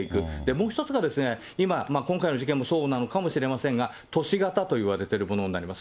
もう一つが今、今回の事件もそうなのかもしれませんが、都市型といわれているものになります。